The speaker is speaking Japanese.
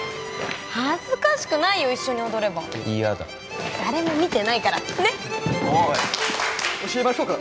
恥ずかしくないよ一緒に踊れば嫌だ誰も見てないからねっおい教えましょうか？